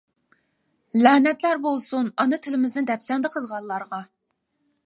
لەنەتلەر بولسۇن ئانا تىلىمىزنى دەپسەندە قىلغانلارغا!